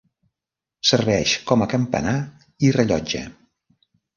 Serveix com a campanar i rellotge.